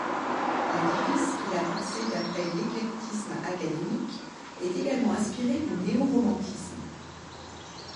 L'édifice, qu'il a pensé d'après l'éclectisme académique est également inspiré du néoromantisme.